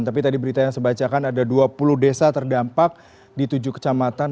tapi tadi berita yang saya bacakan ada dua puluh desa terdampak di tujuh kecamatan